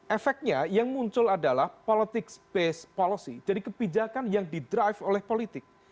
efeknya yang muncul adalah politics based policy jadi kebijakan yang didrive oleh politik